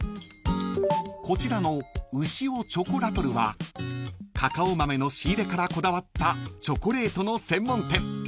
［こちらのＵＳＨＩＯＣＨＯＣＯＬＡＴＬはカカオ豆の仕入れからこだわったチョコレートの専門店］